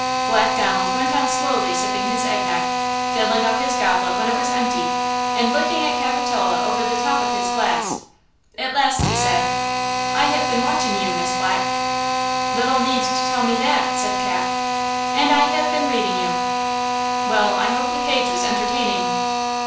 Black Donald went on slowly sipping his egg nog, filling up his goblet when it was empty, and looking at Capitola over the top of his glass. At last he said: "I have been watching you, Miss Black." "Little need to tell me that," said Cap. "And I have been reading you." "Well, I hope the page was entertaining."